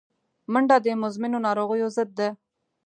منډه د مزمنو ناروغیو ضد ده